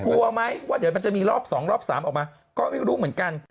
กลัวไหมว่าเดี๋ยวมันจะมีรอบ๒รอบ๓ออกมาก็ไม่รู้เหมือนกัน